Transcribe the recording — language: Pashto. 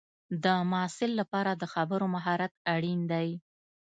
د محصل لپاره د خبرو مهارت اړین دی.